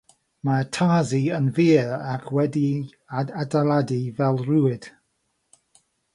Mae'r tarsi yn fyr ac wedi'i adeiladu fel rhwyd.